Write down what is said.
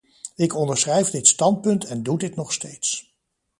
Ik onderschrijf dit standpunt en doe dit nog steeds.